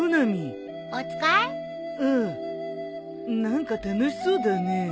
何か楽しそうだね。